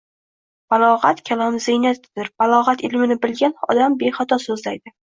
Balog‘at kalom ziynatidir. Balog‘at ilmini bilgan odam bexato so‘zlaydi.